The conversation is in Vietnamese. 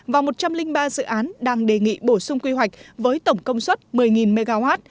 và một trăm linh ba dự án đang đề nghị bổ sung quy hoạch với tổng công suất một mươi mw